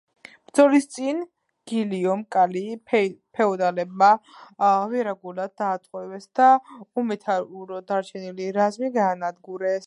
ბრძოლის წინ გილიომ კალი ფეოდალებმა ვერაგულად დაატყვევეს და უმეთაუროდ დარჩენილი რაზმი გაანადგურეს.